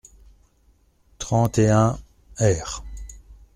trente et un, r.